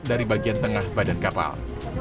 dari bagian tengah badan kapal